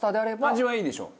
味はいいでしょ。